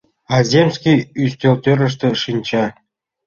А земский ӱстелтӧрыштӧ шинча.